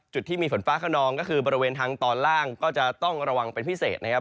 จุดที่มีฝนฟ้าขนองก็คือบริเวณทางตอนล่างก็จะต้องระวังเป็นพิเศษนะครับ